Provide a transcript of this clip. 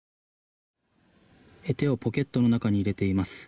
手をポケットの中に入れています。